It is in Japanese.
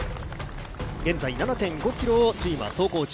現在７．５ｋｍをチームは走行中。